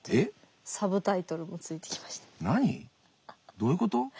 どういうこと？